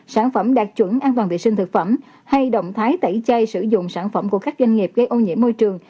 sản phẩm đạt chuẩn an toàn vệ sinh thực phẩm hay động thái tẩy chay sử dụng sản phẩm của các doanh nghiệp gây ô nhiễm môi trường